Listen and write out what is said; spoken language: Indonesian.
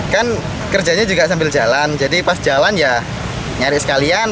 kan kerjanya juga sambil jalan jadi pas jalan ya nyari sekalian